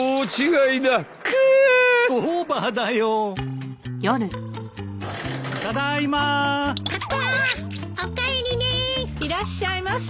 いらっしゃいませ。